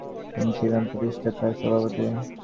তিনি ছিলেন প্রতিষ্ঠাতা সভাপতি।